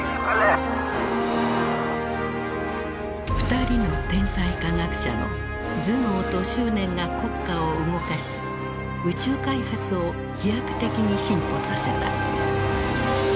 ２人の天才科学者の頭脳と執念が国家を動かし宇宙開発を飛躍的に進歩させた。